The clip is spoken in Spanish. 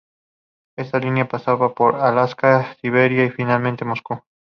Esta línea pasaba por Alaska, Siberia y finalmente Moscú.